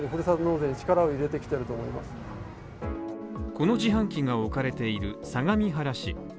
この自販機が置かれている相模原市。